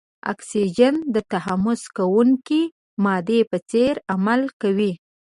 اکسیجن د تحمض کوونکې مادې په څېر عمل کوي.